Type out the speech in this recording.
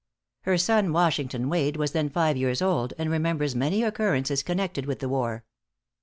Her son Washington Wade was then five years old, and remembers many occurrences connected with the war.